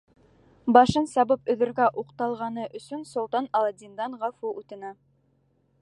Башын сабып өҙөргә уҡталғаны өсөн солтан Аладдиндан ғәфү үтенә.